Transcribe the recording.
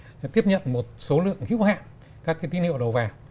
nó chỉ có thể tiếp nhận một số lượng hữu hạn các tín hiệu đồ vào